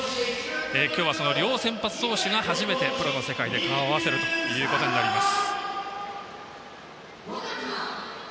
今日はその両先発同士が、初めてプロの世界で顔を合わせるということになります。